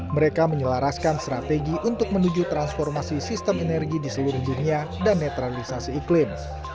mereka menyelaraskan strategi untuk menuju transformasi sistem energi di seluruh dunia dan netralisasi iklim